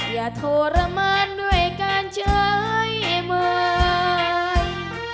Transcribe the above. อย่าโทรมานด้วยการเจ๋ยเมื่อย